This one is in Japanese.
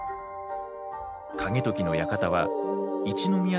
景時の館は一之宮